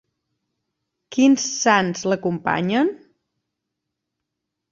Quins sants l'acompanyen?